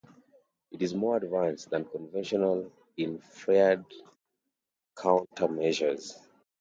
It is more advanced than conventional infrared countermeasures.